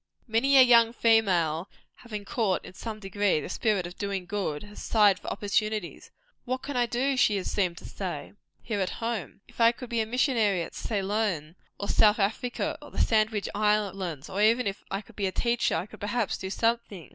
Many a young female, having caught, in some degree, the spirit of doing good, has sighed for opportunities. "What can I do?" she has seemed to say, "here at home. If I could be a missionary at Ceylon, or South Africa, or the Sandwich Islands, or even if I could be a teacher, I could, perhaps, do something.